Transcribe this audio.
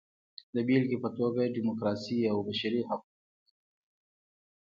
د بېلګې په توګه ډیموکراسي او بشري حقونه مهم دي.